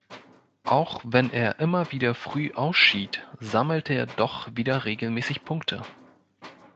Auch wenn er immer wieder früh ausschied, sammelte er doch wieder regelmäßig Punkte.